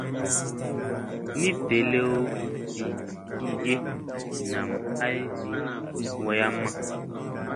Ni velew vi gi ge nam ay vi wayamma.